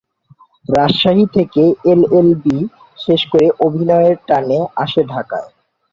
রাজশাহী থেকে এলএলবি শেষ করে অভিনয়ের টানে আসে ঢাকায়।